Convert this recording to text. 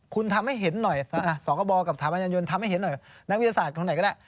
คุณทำให้เห็นหน่อยสคบกับถาปัญญายนต์ทำให้เห็นหน่อยนักวิทยาศาสตร์ของไหนก็ได้